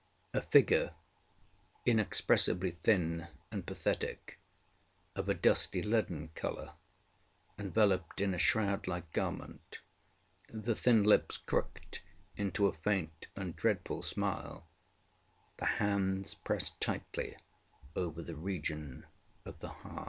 A figure inexpressibly thin and pathetic, of a dusty leaden colour, enveloped in a shroud like garment, the thin lips crooked into a faint and dreadful smile, the hands pressed tightly over the region of the heart.